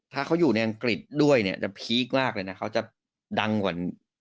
ถ้าเขาอยู่ในอังกฤษด้วยเนี่ยจะพีคมากเลยนะเขาจะดังกว่า